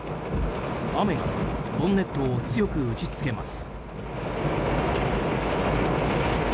雨がボンネットを強く打ちつけます。